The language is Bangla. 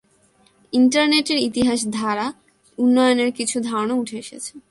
ইন্টারনেটের ইতিহাস ধারা উন্নয়নের কিছু ধারণা উঠে এসেছে।